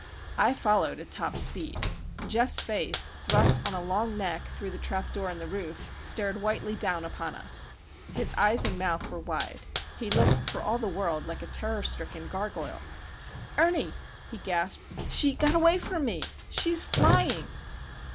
I followed at top speed. Geof's face, thrust on a long neck through the trap door in the roof, stared whitely down upon us. His eyes and mouth were wide. He looked for all the world like a terror stricken gargoyle. "Ernie!" he gasped. "She got away from me. _She's flying!